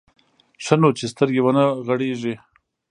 ښه نو چې سترګې ونه غړېږي.